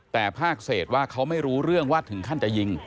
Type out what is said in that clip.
แต่ภาคเศษว่าเขาไม่รู้เรื่องว่าถึงขั้นจะยิง